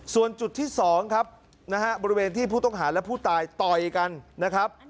ส่วนจุดที่๒ครับนะฮะบริเวณที่ผู้ต้องหาและผู้ตายต่อยกันนะครับ